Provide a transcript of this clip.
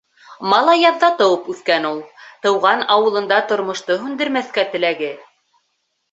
Малаяҙҙа тыуып үҫкән ул. Тыуған ауылында тормошто һүндермәҫкә теләге.